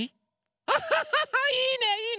アハハハいいねいいね！